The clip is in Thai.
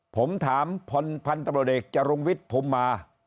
ผมถามพรพันธบเดกจรุงวิทย์ผมมา